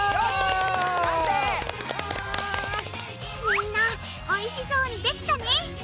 みんなおいしそうにできたね！